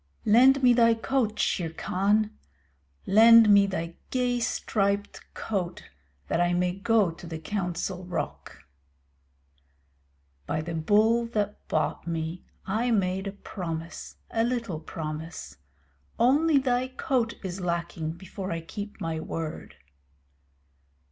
Lend me thy coat, Shere Khan. Lend me thy gay striped coat that I may go to the Council Rock. By the Bull that bought me I made a promise a little promise. Only thy coat is lacking before I keep my word.